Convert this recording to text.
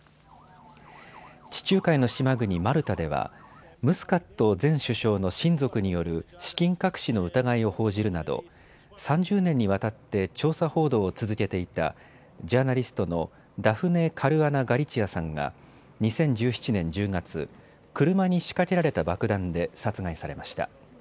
地中海の島国マルタではムスカット前首相の親族による資金隠しの疑いを報じるなど３０年にわたって調査報道を続けていたジャーナリストのダフネ・カルアナガリチアさんが２０１７年１０月、車に仕掛けられた爆弾で殺害されました。